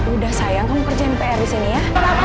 udah sayang kamu kerja mpr disini ya